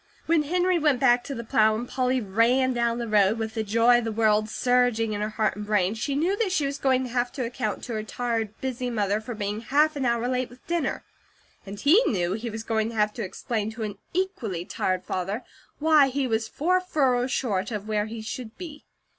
When Henry went back to the plow, and Polly ran down the road, with the joy of the world surging in her heart and brain, she knew that she was going to have to account to her tired, busy mother for being half an hour late with dinner; and he knew he was going to have to explain to an equally tired father why he was four furrows short of where he should be.